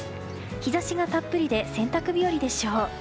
日差しがたっぷりで洗濯日和でしょう。